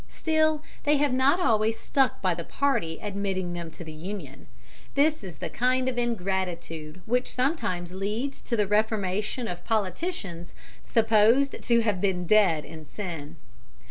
Still, they have not always stuck by the party admitting them to the Union. This is the kind of ingratitude which sometimes leads to the reformation of politicians supposed to have been dead in sin.